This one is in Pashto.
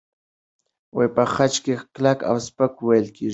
په خج کې کلک او سپک وېل کېږي.